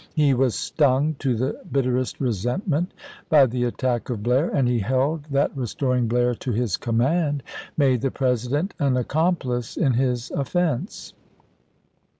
He was stung to the bitterest resentment by the attack of Blair ; and he held that restoring Blair to his command made the President an accomplice in his offense.